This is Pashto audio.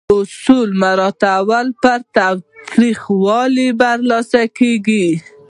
اصول مراعاتول پر تاوتریخوالي برلاسي کیږي.